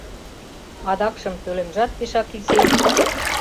Адакшым пӧлемжат пешак изи.